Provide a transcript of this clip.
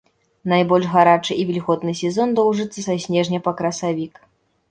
Найбольш гарачы і вільготны сезон доўжыцца са снежня па красавік.